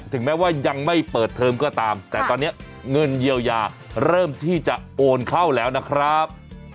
ถึงแม้ว่ายังไม่เปิดเทอมก็ตามแต่ตอนนี้เงินเยียวยาเริ่มที่จะโอนเข้าแล้วนะครับ